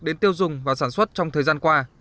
đến tiêu dùng và sản xuất trong thời gian qua